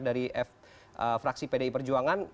dari fraksi pdi perjuangan